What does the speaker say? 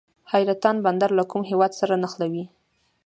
حیرتان بندر له کوم هیواد سره نښلوي؟